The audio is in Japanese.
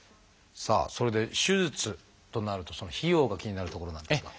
さあそれで手術となるとその費用が気になるところなんですが。